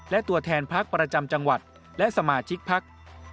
และตัวแทนพักประจำจังหวัดและสมาชิกพัก